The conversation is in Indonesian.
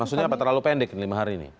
maksudnya apa terlalu pendek lima hari ini